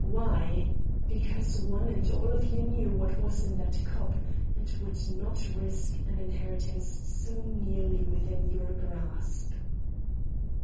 Why? Because one and all of you knew what was in that cup, and would not risk an inheritance so nearly within your grasp."